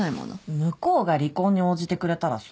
向こうが離婚に応じてくれたらそうするよ。